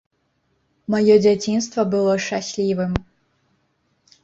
Маё дзяцінства было шчаслівым.